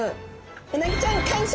うなぎちゃん感謝！